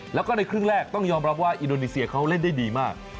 แล้วก็ในครึ่งแรกต้องยอมรับว่าอินโดนีเซียเขาเล่นได้ดีมาก